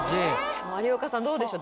有岡さんどうでしょう？